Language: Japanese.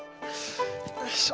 よいしょ。